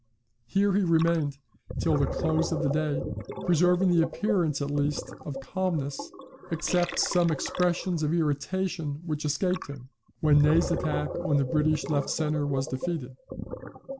] Here he remained till near the close of the day, preserving the appearance at least of calmness, except some expressions of irritation which escaped him, when Ney's attack on the British left centre was defeated.